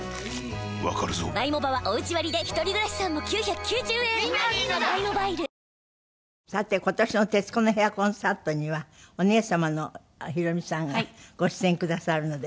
わかるぞさて今年の「徹子の部屋」コンサートにはお姉様の宏美さんがご出演くださるので。